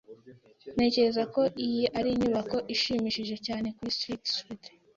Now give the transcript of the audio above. Ntekereza ko iyi ari inyubako ishimishije cyane kuri Street Street.